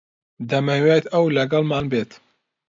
دەمەوێت ئەو لەگەڵمان بێت.